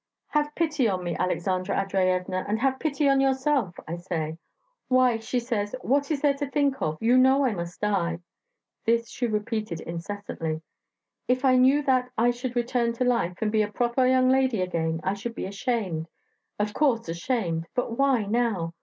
'Have pity on me, Aleksandra Andreyevna, and have pity on yourself,' I say. 'Why,' she says; 'what is there to think of? You know I must die.' ... This she repeated incessantly ... 'If I knew that I should return to life, and be a proper young lady again, I should be ashamed ... of course, ashamed ... but why now?'